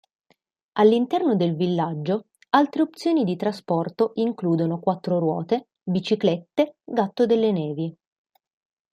All'interno del villaggio, altre opzioni di trasporto includono quattro ruote, biciclette, gatto delle nevi.